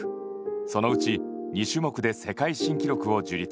そのうち２種目で世界新記録を樹立。